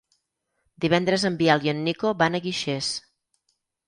Divendres en Biel i en Nico van a Guixers.